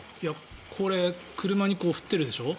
これ車に降っているでしょ。